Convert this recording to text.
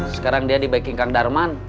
sekarang dia di backing kang darman